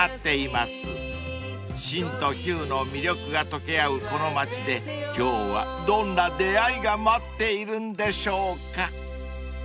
［新と旧の魅力が溶け合うこの町で今日はどんな出会いが待っているんでしょうか］